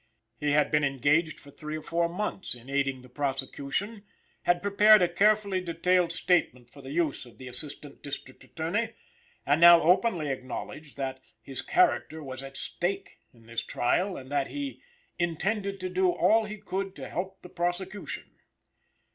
He had been engaged for three or four months in aiding the prosecution, had prepared a carefully detailed statement for the use of the Assistant District Attorney, and now openly acknowledged that "his character was at stake" in this trial, and that he "intended to do all he could to help the prosecution."